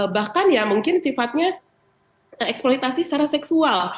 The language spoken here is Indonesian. bahkan ya mungkin sifatnya eksploitasi secara seksual